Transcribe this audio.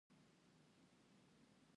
لاره تر مونیټریکس پورې کریړ شوې وه.